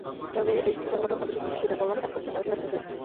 তবে বেশ কিছু সংগঠন পথশিশুদের কল্যাণে কাজ করছে, পড়াশোনার সুযোগ করে দিচ্ছে।